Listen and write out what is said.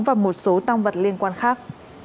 và một số tăng vật liên quan khác